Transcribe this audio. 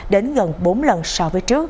đến gần bốn lần sau đó